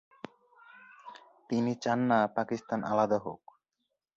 তিনি চান না পাকিস্তান আলাদা হোক।